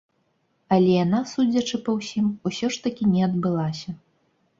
Але яна, судзячы па ўсім, усё ж такі не адбылася.